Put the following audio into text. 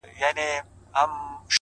o ستا د دواړو سترگو سمندر گلي؛